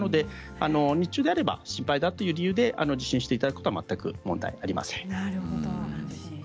日中であれば心配だという理由で受診していただくことは全く問題ありません。